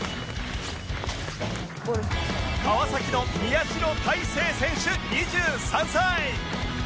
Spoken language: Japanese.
川崎の宮代大聖選手２３歳